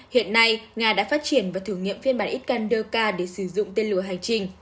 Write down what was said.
hiện nay nga đã phát triển và thử nghiệm phiên bản icanderca để sử dụng tên lửa hành trình